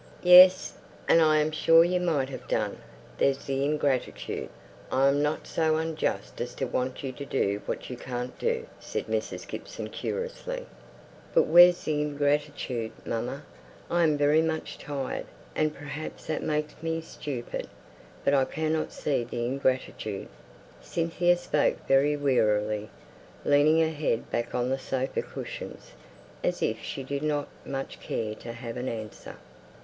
"Yes; and I am sure you might have done, there's the ingratitude! I am not so unjust as to want you to do what you can't do!" said Mrs. Gibson, querulously. "But where's the ingratitude, mamma? I'm very much tired, and perhaps that makes me stupid; but I cannot see the ingratitude." Cynthia spoke very wearily, leaning her head back on the sofa cushions, as if she did not care to have an answer.